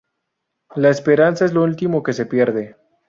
La esperanza es lo último que se pierde